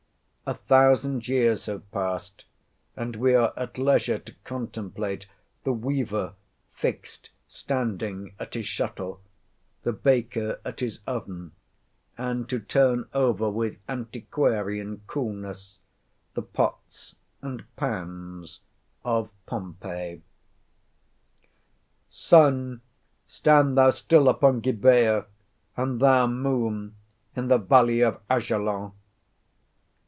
A thousand years have passed, and we are at leisure to contemplate the weaver fixed standing at his shuttle, the baker at his oven, and to turn over with antiquarian coolness the pots and pans of Pompeii. "Sun, stand thou still upon Gibeah, and thou, Moon, in the valley of Ajalon."